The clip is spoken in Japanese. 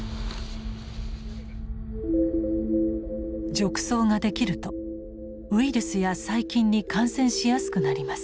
褥瘡ができるとウイルスや細菌に感染しやすくなります。